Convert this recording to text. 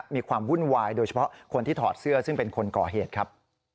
มีความวุ่นวายโดยเฉพาะคนที่ถอดเสื้อซึ่งเป็นคนก่อเหตุครับ